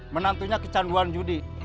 menantunya kecanduan judi